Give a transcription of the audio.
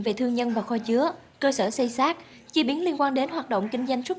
về thương nhân và kho chứa cơ sở xây xác chi biến liên quan đến hoạt động kinh doanh xuất